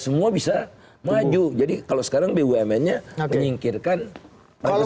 semua bisa baju jadi kalau sekarang bumennya nyinkirkan kalau tiga orang ini vulgar akan